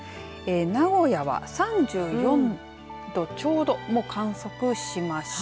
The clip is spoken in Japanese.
名古屋は３４度ちょうど観測しました。